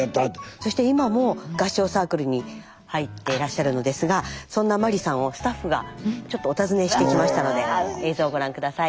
そして今も合唱サークルに入っていらっしゃるのですがそんなまりさんをスタッフがちょっとお訪ねしてきましたので映像をご覧下さい。